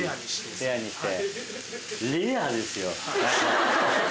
レアにして。